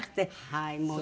はいもう。